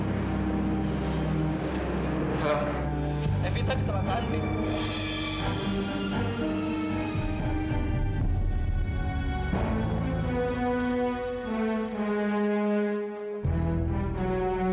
iya ini posisinya terjepit bu